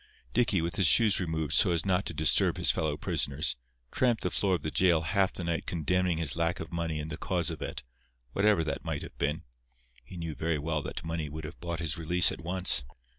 Dicky, with his shoes removed so as not to disturb his fellow prisoners, tramped the floor of the jail half the night condemning his lack of money and the cause of it—whatever that might have been. He knew very well that money would have bought his release at once.